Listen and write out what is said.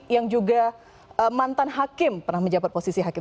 yang juga mantan hakim pernah menjabat posisi hakim